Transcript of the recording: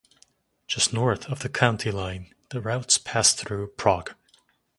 Just north of the county line, the routes pass through Prague.